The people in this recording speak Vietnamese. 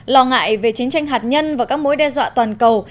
lo ngại về chiến tranh hạt nhân và các mối đe dọa toàn cầu